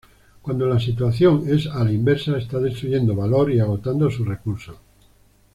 Cuando la situación es a la inversa, está destruyendo valor y agotando sus recursos.